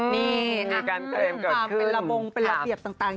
นี่นะเป็นระบงเป็นระเบียบต่าง